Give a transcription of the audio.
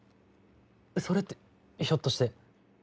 それってひょっとして」。